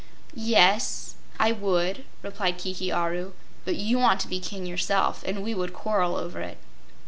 "Yes, I would," replied Kiki Aru; "but you want to be king yourself, and we would quarrel over it."